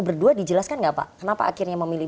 berdua dijelaskan nggak pak kenapa akhirnya memilih